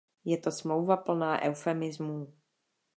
Je to smlouva plná eufemismů.